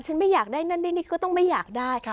ไม่อยากได้นั่นได้นี่ก็ต้องไม่อยากได้